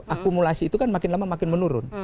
akumulasi itu kan makin lama makin menurun